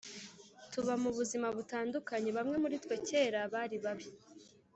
tuba mu buzima butandukanye Bamwe muri twe kera bari babi